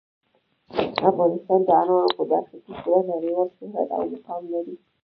افغانستان د انارو په برخه کې پوره نړیوال شهرت او مقام لري.